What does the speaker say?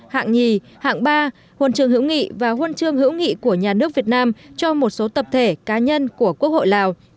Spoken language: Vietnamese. hạng nhì hạng ba huân chương hữu nghị và huân chương hữu nghị của nhà nước việt nam cho một số tập thể cá nhân của quốc hội lào